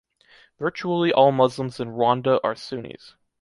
Virtually all Muslims in Rwanda are Sunnis.